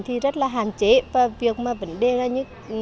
thì rất là hạn chế và việc mà vấn đề là như